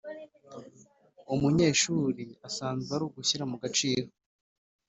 umunyeshuri asanzwe azi gushyira mugaciro,